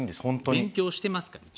勉強してますから一応ね。